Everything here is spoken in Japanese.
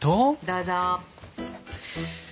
どうぞ。